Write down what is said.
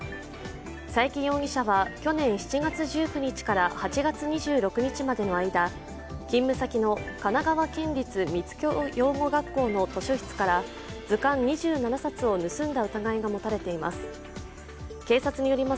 佐伯容疑者は、去年７月１９日から８月２６日までの間勤務先の神奈川県立三ツ境養護学校の図書室から図鑑２７冊を盗んだ疑いが持たれています。